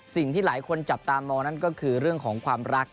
สิ่งที่หลายคนจับตามความรัก